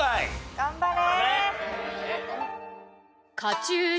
頑張れ！